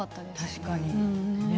確かに。